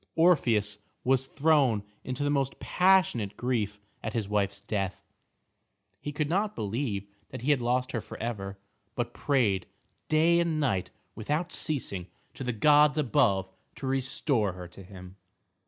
Orpheus was thrown into most passionate grief at his wife's death. He could not believe that he had lost her for ever, but prayed day and night without ceasing to the gods above to restore her to him.